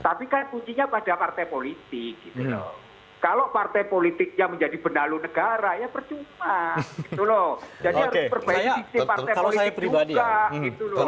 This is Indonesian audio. tapi kan kuncinya pada partai politik gitu loh kalau partai politiknya menjadi benalu negara ya percuma gitu loh